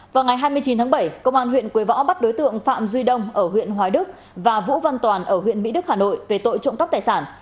vào ngày hai mươi chín tháng bảy công an huyện quế võ bắt đối tượng phạm duy đông ở huyện hoài đức và vũ văn toàn ở huyện mỹ đức hà nội về tội trộm cắp tài sản